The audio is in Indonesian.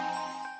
baikanlah sahara